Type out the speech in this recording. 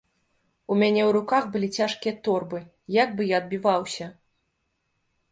У мяне ў руках былі цяжкія торбы, як бы я адбіваўся?